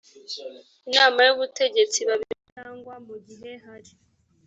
inama y ubutegetsi babiri cyangwa mu gihe hari